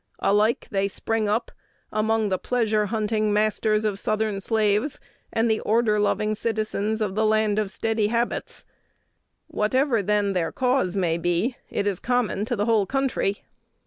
Alike they spring up among the pleasure hunting masters of Southern slaves and the order loving citizens of the land of steady habits. Whatever, then, their cause may be, it is common to the whole country."